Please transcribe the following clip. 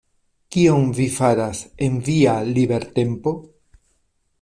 Kion vi faras en via libertempo?